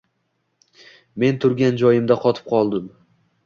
Men turgan joyimda qotib qoldim.